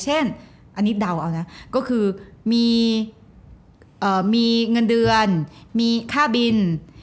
เช่นอันนี้เดาเอานะก็คือมีเงินเดือนมีค่าบิน